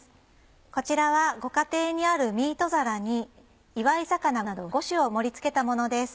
こちらはご家庭にあるミート皿に祝い肴など５種を盛りつけたものです。